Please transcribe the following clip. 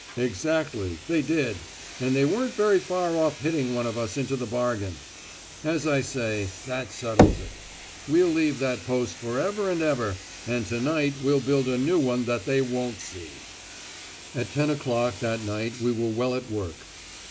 "Exactly: they did. And they weren't very far off hitting one of us into the bargain. As I say, that settles it. We'll leave that post for ever and ever; and to night we'll build a new one that they won't see." At ten o'clock that night we were well at work.